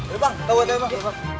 tunggu tunggu tunggu